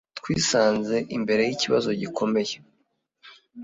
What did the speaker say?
“twisanze imbere y’ ikibazo gikomeye